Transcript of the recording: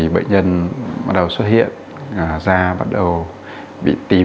bệnh nhân bắt đầu xuất hiện da bắt đầu bị tím